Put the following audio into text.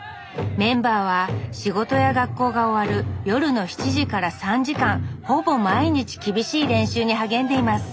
メンバーは仕事や学校が終わる夜の７時から３時間ほぼ毎日厳しい練習に励んでいます